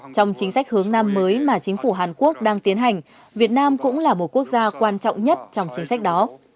trong chính sách hướng nam mới mà chính phủ hàn quốc đang tiến hành việt nam cũng là một quốc gia quan trọng nhất trong chính sách đó